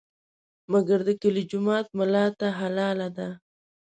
مګر د کلي جومات ملا ته حلاله ده.